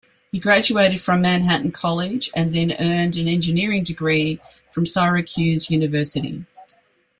He graduated from Manhattan College and then earned an engineering degree from Syracuse University.